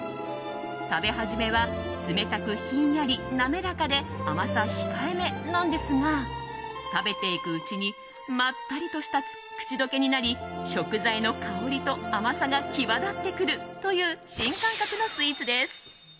食べ始めは冷たくひんやり滑らかで甘さ控えめなんですが食べていくうちにまったりとした口溶けになり食材の香りと甘さが際立ってくるという新感覚のスイーツです。